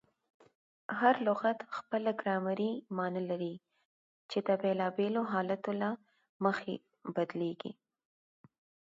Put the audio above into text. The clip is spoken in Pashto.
هر لغت خپله ګرامري مانا لري، چي د بېلابېلو حالتو له مخي بدلیږي.